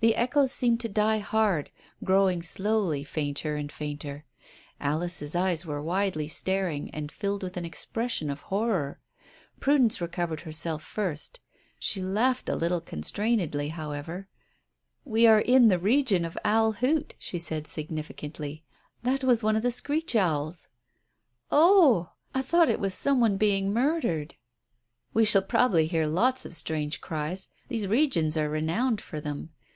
The echoes seemed to die hard, growing slowly fainter and fainter. Alice's eyes were widely staring and filled with an expression of horror. Prudence recovered herself first. She laughed a little constrainedly, however. "We are in the region of Owl Hoot," she said significantly. "That was one of the screech owls." "O oh! I thought it was some one being murdered." "We shall probably hear lots of strange cries; these regions are renowned for them.